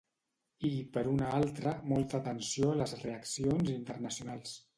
I, per una altra, molta atenció a les reaccions internacionals.